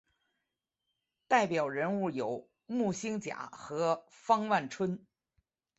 代表人物有牟兴甲和方万春。